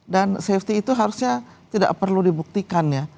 dan safety itu harusnya tidak perlu dibuktikan ya